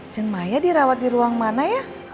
cen maya dirawat di ruang mana ya